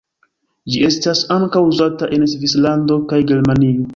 Ĝi estas ankaŭ uzata en Svislando kaj Germanio.